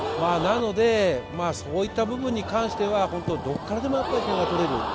なので、そういった部分に関しては、どこからでも点が取れる。